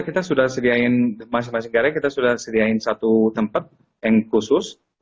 kita sudah sediain masing masing gara kita sudah sediain satu tempat yang khusus